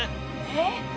えっ？